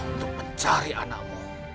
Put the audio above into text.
untuk mencari anakmu